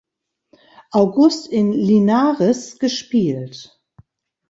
August in Linares gespielt.